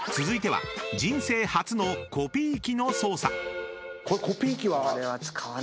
続いては人生初のコピー機の操作］